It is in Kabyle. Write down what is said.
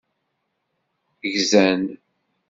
Gzan.